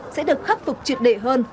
sẽ được khắc phục truyệt đệ hơn